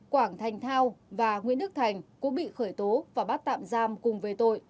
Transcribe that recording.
quảng thành thao và nguyễn đức thành cũng bị khởi tố và bắt tạm giam cùng về tội